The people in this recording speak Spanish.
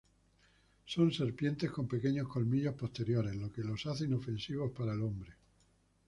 Son serpientes con pequeños colmillos posteriores, lo que los hace inofensivos para el hombre.